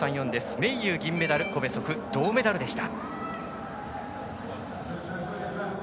メイユー、銀メダルコベソフ、銅メダルでした。